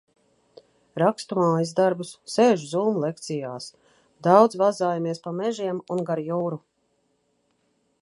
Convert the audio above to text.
Rakstu mājasdarbus, sēžu "Zūm" lekcijās. Daudz vazājamies pa mežiem un gar jūru.